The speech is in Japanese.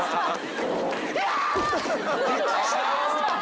びっくりした！